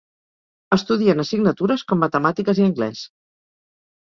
Estudien assignatures com matemàtiques i anglès.